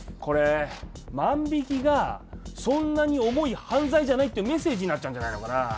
これ万引きがそんなに重い犯罪じゃないっていうメッセージになっちゃうんじゃないのかな？